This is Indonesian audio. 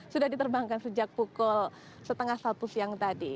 sudah diterbangkan sejak pukul setengah satu siang tadi